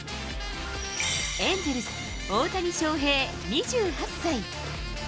エンゼルス、大谷翔平２８歳。